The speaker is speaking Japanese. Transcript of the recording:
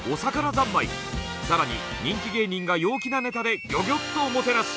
更に人気芸人が陽気なネタでギョギョっとおもてなし。